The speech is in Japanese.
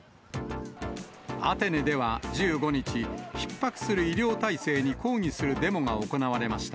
アテネでは１５日、ひっ迫する医療体制に抗議するデモが行われました。